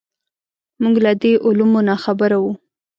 موږ له دې علومو ناخبره وو.